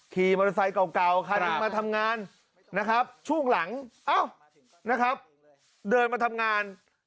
ขี่มอเตอร์ไซค์เก่าใครมาทำงานนะครับช่วงหลังเดินมาทำงาน